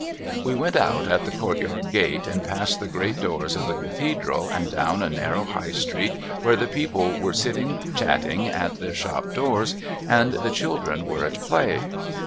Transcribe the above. We went out at the courtyard gate and past the great doors of the cathedral and down a narrow High street where the people were sitting chatting at their shop doors and the children were at play.